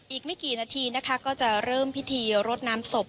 อีกไม่กี่นาทีนะคะก็จะเริ่มพิธีรดน้ำศพ